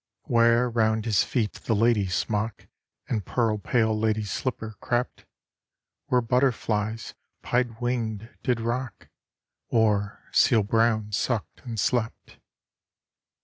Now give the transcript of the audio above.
Where, round his feet, the lady smock And pearl pale lady slipper crept; Where butterflies, pied wing'd, did rock, Or, seal brown, sucked and slept.